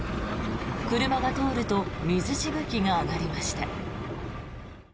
車が通ると水しぶきが上がりました。